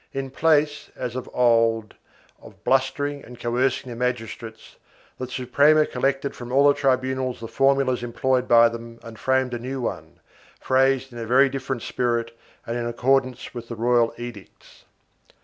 In place, as of old, of blustering and coercing the magistrates, the Suprema collected from all the tribunals the formulas employed by them and framed a new one, phrased in a very different spirit and in accordance with the royal edicts.